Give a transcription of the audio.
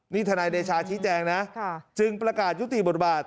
นี่ทนายเดชาชี้แจงนะจึงประกาศยุติบทบาท